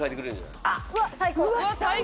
最高。